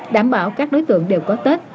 đảm bảo các đối tượng đều có tết